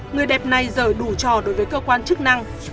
người đẹp này rời đủ trò đối với cơ quan chức năng